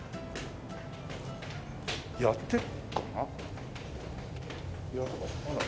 やってるかな？